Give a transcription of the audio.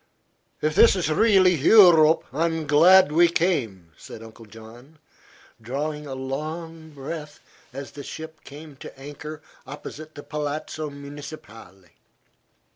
"If this is really Eu rope, I'm glad we came," said Uncle John, drawing a long breath as the ship came to anchor opposite the Palazzo Municipale.